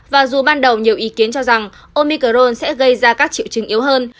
và dù ban đầu nhiều ý kiến cho rằng omicron sẽ gây ra các triệu chứng yếu hơn